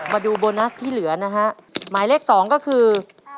มาดูโบนัสที่เหลือนะฮะหมายเลขสองก็คือ